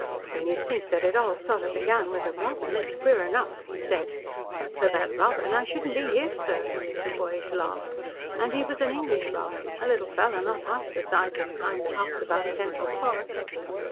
"When you think that all of it sort of began with a robin, it's queer enough," he said. "But for that robin I shouldn't be here, sir," with a boyish laugh. "And he was an English robin a little fellow not half the size of the kind that hops about Central Park."